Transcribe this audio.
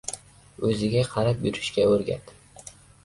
– o‘ziga qarab yurishga o‘rgat;